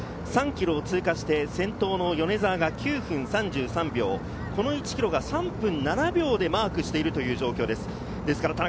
３ｋｍ通過して、先頭・米澤が９分３３秒、この１ｋｍが３分７秒でマークしているという状況です。